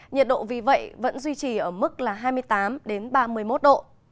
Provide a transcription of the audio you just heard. nhiệt độ vì vậy vẫn duy trì ở mức là hai mươi tám ba mươi một độ